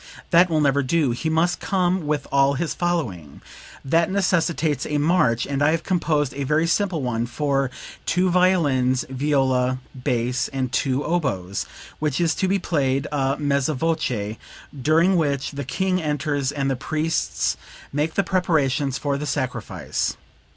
That will never do; he must come with all his following. That necessitates a march, and I have composed a very simple one for two violins, viola, bass and two oboes, which is to be played a mezza voce, during which the King enters and the priests make the preparations for the sacrifice.